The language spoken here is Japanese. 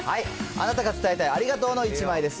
あなたが伝えたい、ありがとうの１枚です。